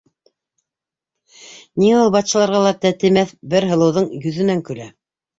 Ниңә ул батшаларға ла тәтемәҫ бер һылыуҙың йөҙөнән көлә?!